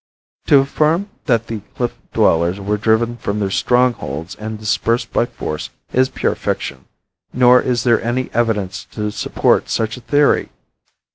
To affirm that the cliff dwellers were driven from their strongholds and dispersed by force is pure fiction, nor is there any evidence to support such a theory.